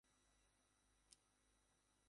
কী অবস্থা, পিটার?